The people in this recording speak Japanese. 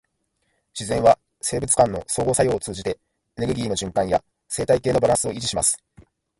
自然は生物間の相互作用を通じて、エネルギーの循環や生態系のバランスを維持します。